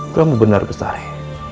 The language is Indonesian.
kamu benar pesari